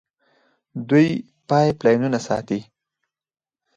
دوی پایپ لاینونه ساتي.